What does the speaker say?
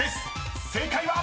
［正解は⁉］